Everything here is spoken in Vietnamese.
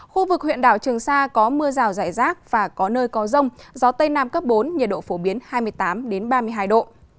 khu vực huyện đảo trường sa có mưa rào rải rác và có nơi có rông gió tây nam cấp bốn nhiệt độ phổ biến hai mươi tám ba mươi hai độ